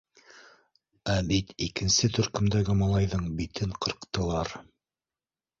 Ә бит икенсе төркөмдәге малайҙың битен ҡырҡтылар.